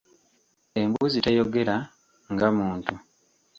Embuzi teyogera nga muntu.